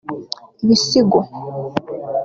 ibisigo